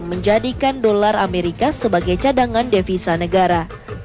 menjadikan dolar amerika sebagai cadangan devisa negara